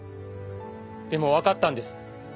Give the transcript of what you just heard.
でもわかったんです。